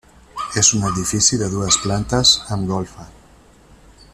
És un edifici de dues plantes amb golfa.